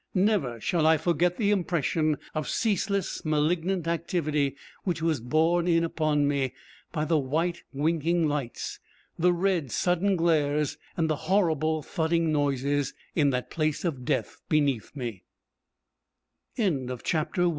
Never shall I forget the impression of ceaseless, malignant activity which was borne in upon me by the white, winking lights, the red sudden glares, and the horrible thudding noises in that place of death beneath me.